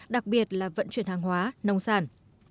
đặc biệt là vận chuyển hàng hóa nông sản